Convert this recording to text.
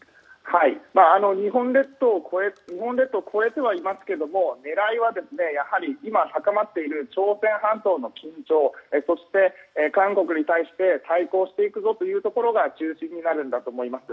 日本列島を越えてはいますけども狙いは、やはり今、高まっている朝鮮半島の緊張そして、韓国に対して対抗していくぞというところが中心になるんだと思います。